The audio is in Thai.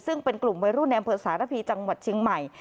ซึ่งเป็นกลุ่มวัยรุ่นแนมเผิดสารภีร์จังหวัดชิงใหม่